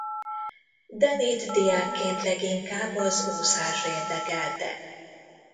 Dennyt diákként leginkább az úszás érdekelte.